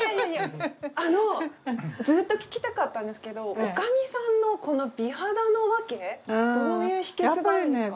ずっと聞きたかったんですけど女将さんの美肌のわけどういう秘訣があるんですか。